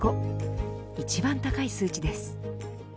一番高い数値です。